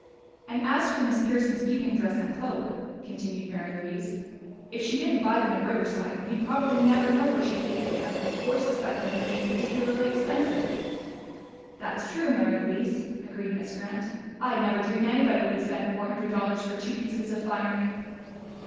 "And as for Miss Pearson's evening dress and cloak," continued Mary Louise, "if she didn't buy them in Riverside, you'd probably never know what she paid for them, or suspect them of being particularly expensive." "That's true, Mary Louise," agreed Miss Grant. "I'd never dream anybody would spend four hundred dollars for two pieces of finery."